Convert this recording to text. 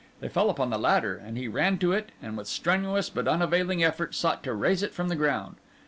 They fell upon the ladder, and he ran to it, and with strenuous but unavailing effort sought to raise it from the ground.